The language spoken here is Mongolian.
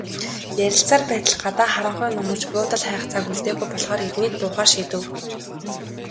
Ярилцсаар байтал гадаа харанхуй нөмөрч, буудал хайх цаг үлдээгүй болохоор эднийд буухаар шийдэв.